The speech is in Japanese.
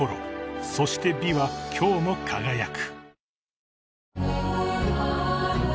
［そして美は今日も輝く］